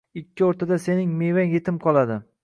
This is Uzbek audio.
Ikki o’rtada sening mevang yetim qoladi.